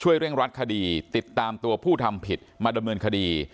เร่งรัดคดีติดตามตัวผู้ทำผิดมาดำเนินคดี